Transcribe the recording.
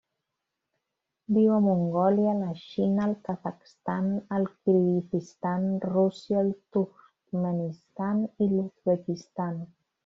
Viu a Mongòlia, la Xina, el Kazakhstan, el Kirguizistan, Rússia, el Turkmenistan i l'Uzbekistan.